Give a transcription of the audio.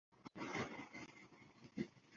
Yes' agaruke mw isi